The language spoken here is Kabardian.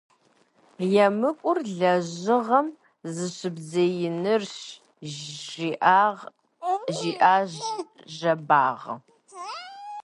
ЕмыкӀур лэжьыгъэм зыщыбдзеинырщ, – жиӀащ Жэбагъы.